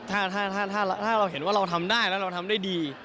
ถ้าเราเห็นว่าเราทำได้แล้วเราทำได้ดี